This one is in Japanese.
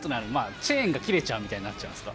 チェーンが切れちゃうみたいになっちゃうんですか？